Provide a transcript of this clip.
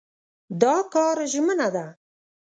دا کار ژمنه ده.